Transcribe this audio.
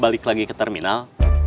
balik lagi ke terminal